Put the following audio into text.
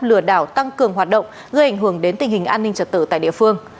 lừa đảo tăng cường hoạt động gây ảnh hưởng đến tình hình an ninh trật tự tại địa phương